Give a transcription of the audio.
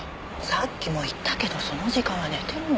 さっきも言ったけどその時間は寝てるの。